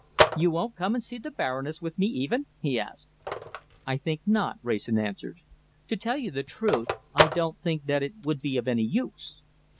"You won't come and see the Baroness with me even?" he asked. "I think not," Wrayson answered. "To tell you the truth, I don't think that it would be of any use.